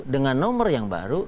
dengan nomor yang baru